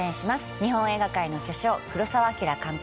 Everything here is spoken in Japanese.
日本映画界の巨匠黒澤明監督